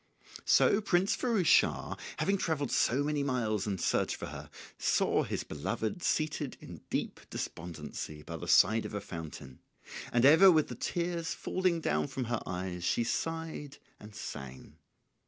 So Prince Firouz Schah, having travelled so many miles in search of her, saw his beloved seated in deep despondency by the side of a fountain; and ever with the tears falling down from her eyes she sighed and sang.